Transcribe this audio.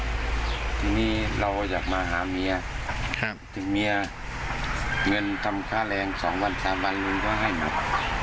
ทีนี้เราอยากมาหาเมียถึงเมียเงินทำค่าแรง๒๓วันมันก็ให้มัก